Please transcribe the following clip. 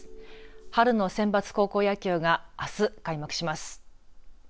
春のセンバツ高校野球があす、開幕します。